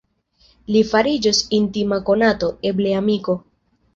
Li fariĝos intima konato; eble amiko.